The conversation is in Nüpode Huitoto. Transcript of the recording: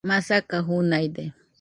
masaka junaide